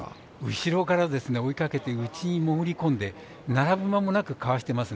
後ろから追いかけて並ぶ間もなくかわしています。